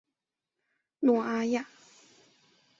诺阿亚。